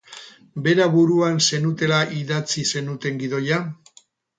Bera buruan zenutela idatzi zenuten gidoia?